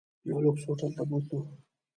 یو لوکس هوټل ته بوتلو.